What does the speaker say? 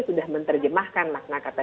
sudah menerjemahkan makna kata